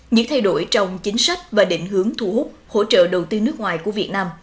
những thay đổi trong chính sách và định hướng thu hút hỗ trợ đầu tư nước ngoài của việt nam